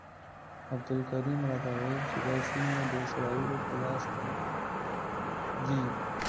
عبدالکریم راته وویل چې دا سیمې د اسرائیلو په لاس کې دي.